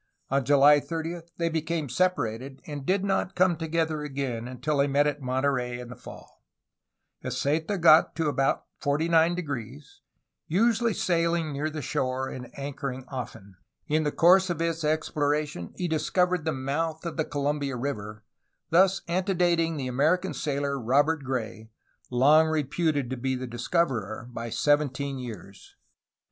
On July 30 they be came separated, and did not come together again until they met at Monterey in the fall. Heceta got to about 49°, usually sailing near the shore and anchoring often. In the course of his exploration he discovered the mouth of the Columbia River, thus ante dating the American sailor Robert Gray, long reputed the discoverer, by seventeen years.